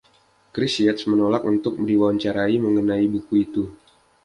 Chris Yates menolak untuk diwawancarai mengenai buku itu.